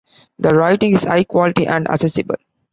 The writing is high quality and accessible.